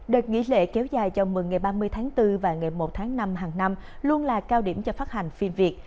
đợt nghỉ lễ kéo dài cho mừng ngày ba mươi tháng bốn và ngày một tháng năm hàng năm luôn là cao điểm cho phát hành phim việt